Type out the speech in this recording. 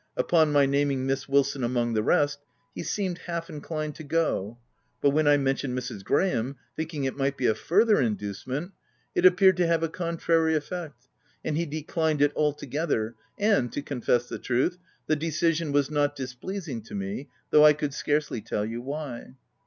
Upon my naming Miss Wilson among the rest, he seemed half inclined to go, but when I men tioned Mrs. Graham, thinking it might be a further inducement, it appeared to have a con trary effect, and he declined it altogether, and. to confess the truth, the decision was not dis pleasing to me, though I could scarcely tell you why.